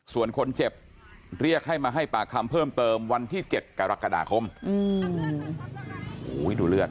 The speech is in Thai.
ส่วนคนเจ็บเรียกให้มาให้ปากคำเพิ่มเติมวันที่๗กรกฎาคม